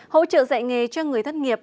hỗ trợ dạy nghề cho người thất nghiệp